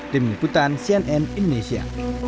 tim ikutan cnn indonesia